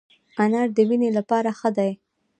انار د وینې لپاره ښه دی